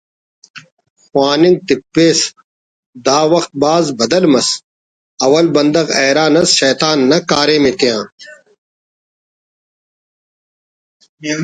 خواننگ تپسہ دا وخت بھاز بدل مس اول بندغ حیران ئس شیطان نا کاریم تیا‘